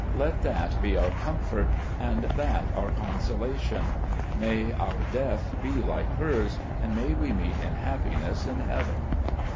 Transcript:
Let that be our comfort and that our con SERVICES IN THE ARMY 19 solation. May our death be Kke hers, and may we meet in happiness in Heaven."